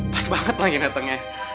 pas banget lagi datengnya